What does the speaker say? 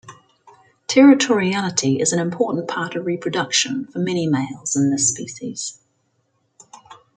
Territoriality is an important part of reproduction for many males in this species.